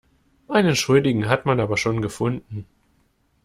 Einen Schuldigen hat man aber schon gefunden.